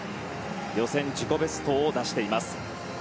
予選で自己ベストを出しています。